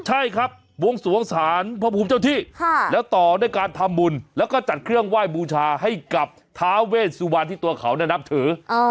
ใช่ครับวงสวงศาลพระภูมิเจ้าที่แล้วต่อด้วยการทำบุญแล้วก็จัดเครื่องไหว้บูชาให้กับท้าเวชสุวรรณที่ตัวเขานับถือ